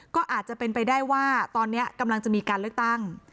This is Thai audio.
ก็อาจจะเป็นไปได้ว่าตอนนี้กำลังจะมีการเลือกตั้ง